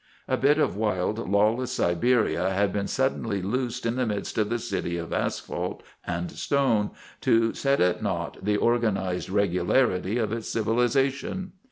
A bit of wild, lawless Siberia had been suddenly loosed in the midst of the city of asphalt and stone, to set at naught the organ ized regularity of its civilization.